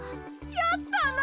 やったな！